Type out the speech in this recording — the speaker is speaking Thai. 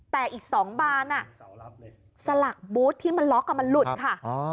แต่อีก๒บานสลักบูธที่มันล็อกมันหลุดค่ะ